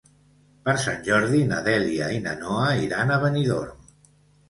Per Sant Jordi na Dèlia i na Noa iran a Benidorm.